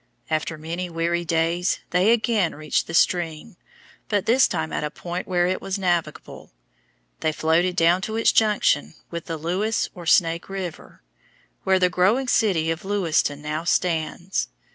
After many weary days they again reached the stream, but this time at a point where it was navigable. They floated down to its junction with the Lewis or Snake River, where the growing city of Lewiston now stands.